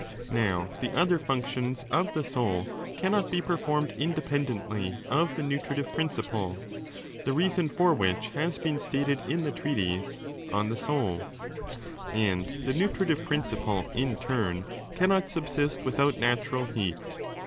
i Now, the other functions of the soul cannot be performed indepen dently of the nutritive principle (the reason for which I bag been stated in the treatise On the Soul),^ and the [ Dutritive principle in turn cannot subsist without natural [ heat.